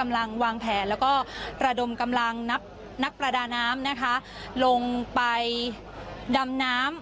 กำลังวางแผนแล้วก็ระดมกำลังนักประดาน้ำนะคะลงไปดำน้ำ